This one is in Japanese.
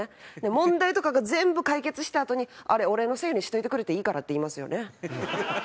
問題とかが全部解決したあとに「あれ俺のせいにしといてくれていいから」って言いますよね。